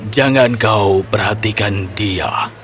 jangan kau perhatikan dia